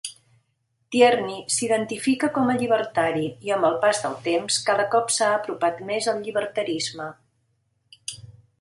Tierney s'identifica com a llibertari i, amb el pas del temps, cada cop s'ha apropat més al llibertarisme.